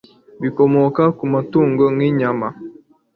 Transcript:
bikomoka ku matungo nk'inyama